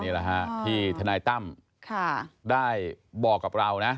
นี่แหละฮะที่ทนายตั้มได้บอกกับเรานะ